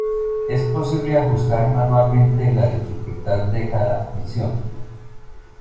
Es posible ajustar manualmente la dificultad de cada misión.